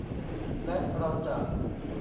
และเราจะ